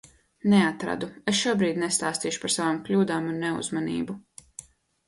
Neatradu. Es šobrīd nestāstīšu par savām kļūdām un neuzmanību.